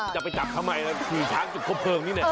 จะไปจับทำไมนะขี่ช้างจุดครบเพลิงนี่แหละ